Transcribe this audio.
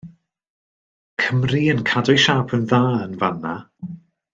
Cymru yn cadw'u siâp yn dda yn fan 'na.